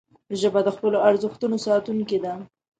ژبه د خپلو ارزښتونو ساتونکې ده